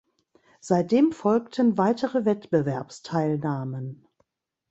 Seitdem folgten weitere Wettbewerbsteilnahmen.